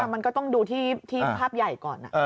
มันก็ต้องดูที่ภาพใหญ่ก่อน